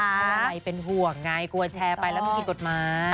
ไม่ต้องอะไรเป็นห่วงไงกลัวแชร์ไปแล้วไม่มีกฎหมาย